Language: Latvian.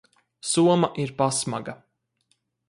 Soma ir pasmaga.